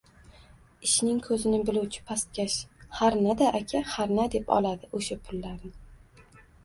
«ishning ko‘zini biluvchi» pastkash «Harna-da, aka, harna», deb oladi o‘sha pullarni...